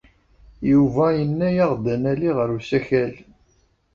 Yuba yenna-aɣ-d ad nali ɣer usakal.